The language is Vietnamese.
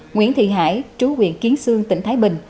nguyễn thị hải trú huyện kiến sơn tỉnh thái bình